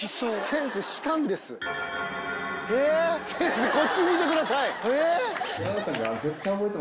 先生こっち見てください！